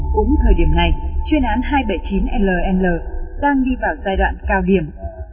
cũng thời điểm này chuyên án hai trăm bảy mươi chín l đang đi vào giai đoạn cao điểm